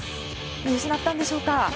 見失ったんでしょうか。